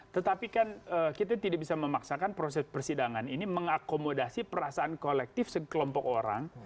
tetapi kan kita tidak bisa memaksakan proses persidangan ini mengakomodasi perasaan kolektif sekelompok orang